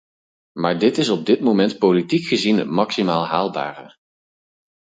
Maar dit is op dit moment politiek gezien het maximaal haalbare.